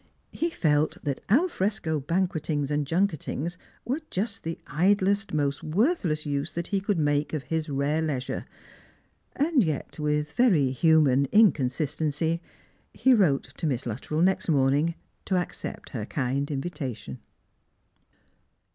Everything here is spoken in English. He felt that al frcsco banquetings and junketings were just the idlest, most worthless use that he could make of his rare leisure ; and yet, with very human inconsistency, he wrote to Mifiu Luttrell i.ext mornini; to accept her kind invitation.